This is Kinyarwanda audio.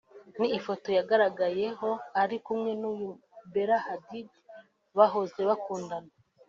ni ifoto yagaragayeho ari kumwe n’uyu Bella Hadid bahoze bakundana